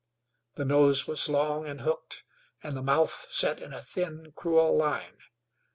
The nose was long and hooked, and the mouth set in a thin, cruel line.